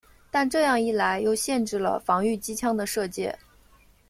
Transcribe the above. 但这样一来又限制了防御机枪的射界。